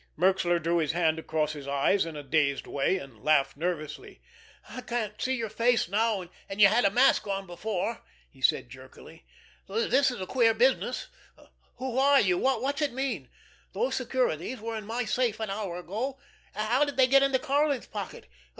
Merxler drew his hand across his eyes in a dazed way, and laughed nervously. "I can't see your face now, and you had a mask on before," he said jerkily. "This is a queer business! Who are you? What's it mean? Those securities were in my safe an hour ago—how did they get into Karlin's pocket?